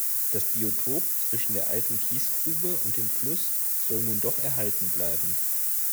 Das Biotop zwischen der alten Kiesgrube und dem Fluss soll nun doch erhalten bleiben.